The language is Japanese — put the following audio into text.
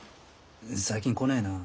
最近来ねえなぁ。